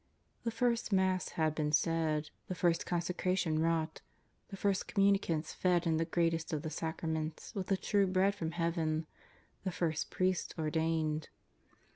The first Mass had been said; the first Consecration wrought ; the first Communicants fed in the greatest of the Sacraments with the true Bread from Heaven; the first priests ordained.